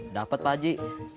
dapet pak haji